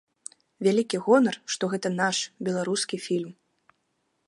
Вялікі гонар, што гэта наш, беларускі фільм.